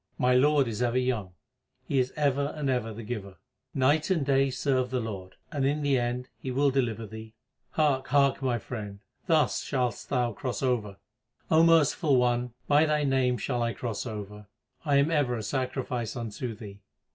My Lord is ever young ; He is ever and ever the Giver. Night and day serve the Lord, and in the end He will deliver thee. Hark, hark, my friend, 1 thus shalt thou cross over. O Merciful One, by Thy name shall I cross over ; I am ever a sacrifice unto Thee.